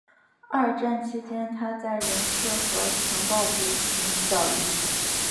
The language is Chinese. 二战期间他在人事和情报部门效力。